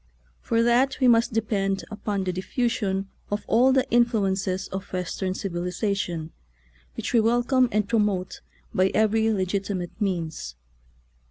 For that we must depend upon the diffusion of all of the influences of Western civilization, which we welcome and promote by every legit imate means.